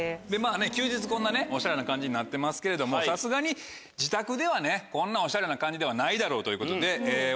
休日こんなオシャレな感じになってますけれどもさすがに自宅ではこんなオシャレな感じではないだろうということで。